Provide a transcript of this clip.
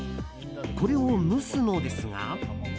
これを蒸すのですが。